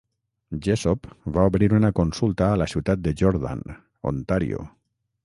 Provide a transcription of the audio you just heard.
Jessop va obrir una consulta a la ciutat de Jordan, Ontario.